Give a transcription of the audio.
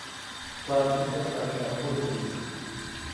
Claricia Paixao Rodrigues